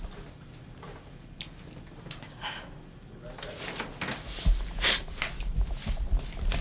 buat apa lagi kamu lihat foto ini